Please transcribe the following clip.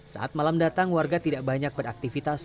saat malam datang warga tidak banyak beraktivitas